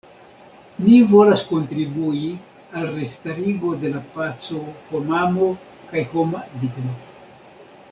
Ni volas kontribui al restarigo de paco, homamo kaj homa digno.